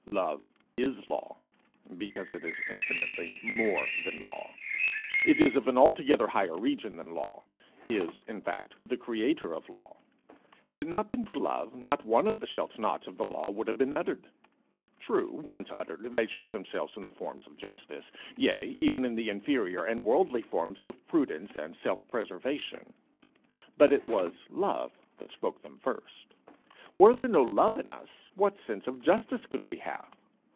Love is law, because it is infinitely more than law. It is of an altogether higher region than law is, in fact, the creator of law. Had it not been for love, not one of the shall nots of the law would have been uttered. True, once uttered, they shew themselves in the form of justice, yea, even in the inferior and worldly forms of prudence and self preservation; but it was love that spoke them first. Were there no love in us, what sense of justice could we have?